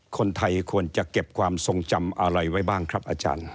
คนไทยควรจะเก็บความทรงจำอะไรไว้บ้างครับอาจารย์